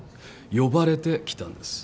呼ばれて来たんです。